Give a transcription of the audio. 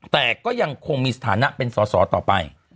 แต่ก็ยังคงมีสถานะเป็นสอสอต่อไป